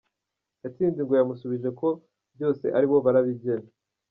Gatsinzi ngo yamusubije ko byose aribo barabigena.